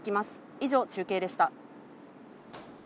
以上、中継でした。